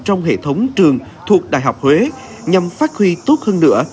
trong hệ thống trường thuộc đại học huế nhằm phát huy tốt hơn nữa